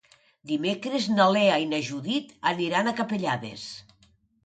Dimecres na Lea i na Judit aniran a Capellades.